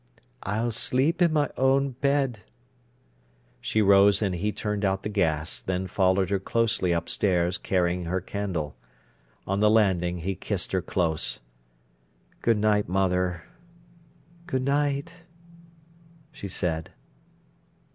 "I'll sleep in my own bed." She rose, and he turned out the gas, then followed her closely upstairs, carrying her candle. On the landing he kissed her close. "Good night, mother." "Good night!" she said.